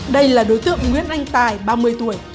đây là đối tượng nguyễn anh tài ba mươi tuổi